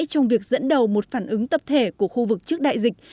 trong việc dẫn đầu một phản ứng tập thể của khu vực trước đại dịch